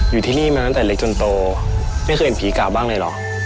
อยู่ที่นี่มาตั้งแต่เล็กจนโตไม่เคยเห็นผีเก่าบ้างเลยเหรอ